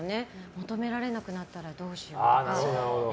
求められなくなったらどうしようとか。